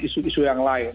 isu isu yang lain